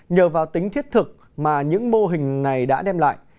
nhờ vào tính thiết thực mà những mô hình này đã đem lại